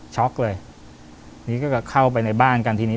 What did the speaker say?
เลยนี่ก็เข้าไปในบ้านกันทีนี้